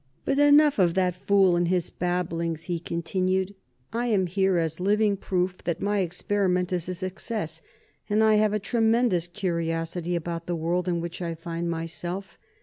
"But enough of that fool and his babblings," he continued. "I am here as living proof that my experiment is a success, and I have a tremendous curiosity about the world in which I find myself.